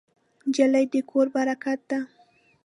نجلۍ د کور برکت ده.